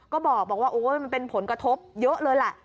ก็บอกว่าโอ๊ยมันเป็นผลกระทบเยอะเลยแหละ